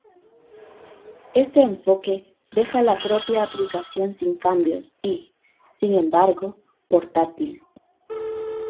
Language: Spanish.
Este enfoque deja la propia aplicación sin cambios y, sin embargo, portátil.